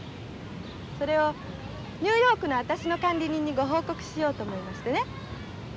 それをニューヨークの私の管理人にご報告しようと思いましてね。